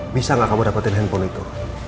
bisa gak kamu dapetin handphone itu